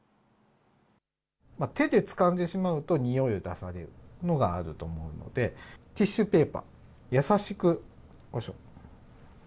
手でつかんでしまうと臭いを出されるのがあると思うのでティッシュペーパー優しく、よいしょ。